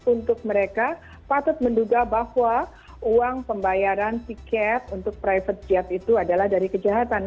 untuk mereka patut menduga bahwa uang pembayaran tiket untuk private jet itu adalah dari kejahatan